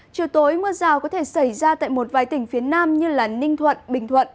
chiều tối mưa rào có thể xảy ra tại một vài tỉnh phía nam như ninh thuận bình thuận